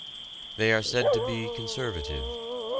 They are said to be conservative.